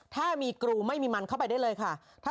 ถ้ามีกรูไม่มีมันเข้าไปได้เลยค่ะ